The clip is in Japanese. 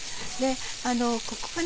ここがね